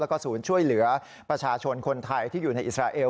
แล้วก็ศูนย์ช่วยเหลือประชาชนคนไทยที่อยู่ในอิสราเอล